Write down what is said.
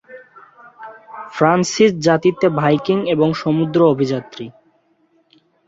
Francis জাতিতে Viking এবং সমুদ্র অভিযাত্রী।